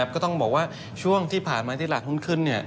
ก็ต้องบอกว่าช่วงที่ผ่านมาที่ตลาดหุ้นขึ้น